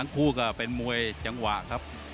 คู่ก็เป็นมวยจังหวะครับ